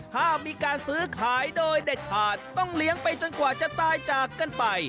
ถ้ามีการซื้อขายโดยเด็ดขาดต้องเลี้ยงไปจนกว่าจะตายจากกันไป